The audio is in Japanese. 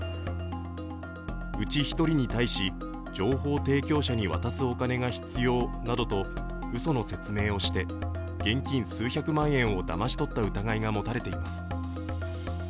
うち１人に対し情報提供者に渡すお金が必要などとうその説明をして現金数百万円をだまし取った疑いが持たれています。